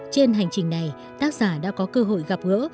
trên hành trình này tác giả đã có cơ hội gặp gỡ